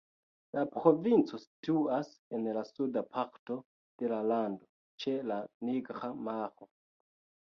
La provinco situas en la suda parto de la lando, ĉe la Nigra Maro.